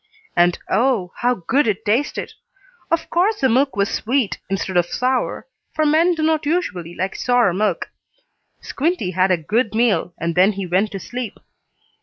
And Oh! how good it tasted! Of course the milk was sweet, instead of sour, for men do not usually like sour milk. Squinty had a good meal, and then he went to sleep.